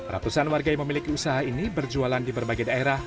ratusan warga yang memiliki usaha ini berjualan di berbagai daerah